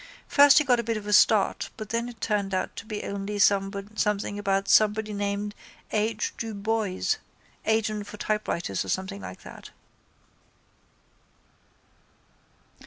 First he got a bit of a start but it turned out to be only something about somebody named H. du Boyes, agent for typewriters or something like that.